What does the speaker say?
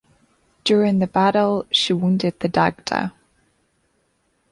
During that battle she wounded the Dagda.